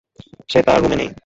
সে তার রূমে নেই।